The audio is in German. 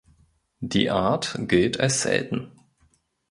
Die Art gilt als selten.